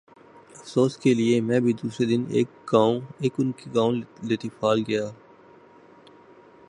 افسوس کیلئے میں بھی دوسرے دن ان کے گاؤں لطیفال گیا۔